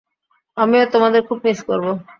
আমিও তোমাদের খুব মিস করবো।